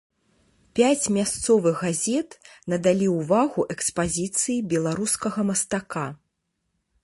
Пяць мясцовых газет надалі ўвагу экспазіцыі беларускага мастака.